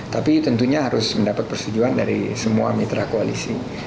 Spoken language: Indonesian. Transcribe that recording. tapi tentunya harus mendapat persetujuan dari semua mitra koalisi